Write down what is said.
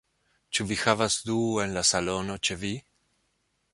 Ĉu vi havas du en la salono ĉe vi?